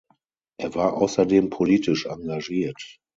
Er war außerdem politisch engagiert.